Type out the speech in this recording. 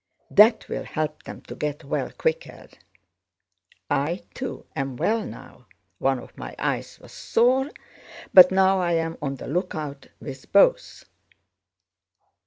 That will help them to get well quicker. I, too, am well now: one of my eyes was sore but now I am on the lookout with both.